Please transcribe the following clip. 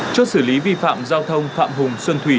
chốt xử lý vi phạm giao thông phạm hùng xuân thủy